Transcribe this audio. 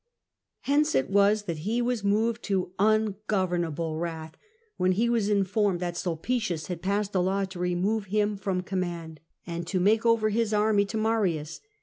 Hence it was that he vras moved to ungovernable wrath when he was informed that Sulpicius had passed a law to remove him from command, and to make over his army to Marius.